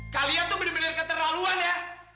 kalian tuh bener bener keterlaluan ya